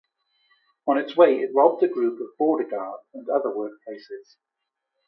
On its way, it robbed a group of border guards and other workplaces.